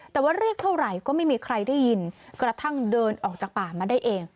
แต่ว่าเรียกเท่าไหร่ก็ไม่มีใครได้ยินกระทั่งเดินออกจากป่ามาได้เอง